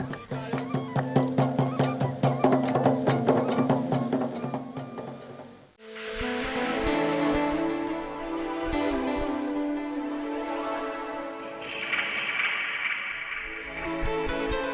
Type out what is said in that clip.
tapi bagaimana kalau kopi tidak ada sebelum itu